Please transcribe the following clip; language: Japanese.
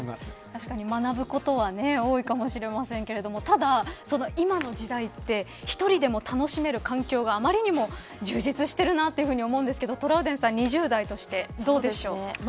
確かに学ぶことは多いかもしれませんがただ今の時代は１人でも楽しめる環境があまりにも充実しているなというふうに思いますがトラウデンさん２０代としてどうですか。